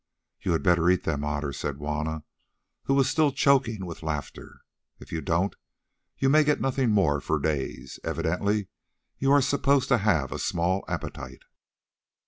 "You had better eat them, Otter," said Juanna, who was still choking with laughter. "If you don't you may get nothing more for days. Evidently you are supposed to have a small appetite."